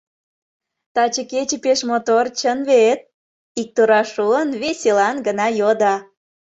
Таче кече пеш мотор, чын вет? — иктураш шуын, веселан гына йодо.